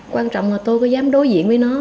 quan trọng là tôi có dám đối diện với nó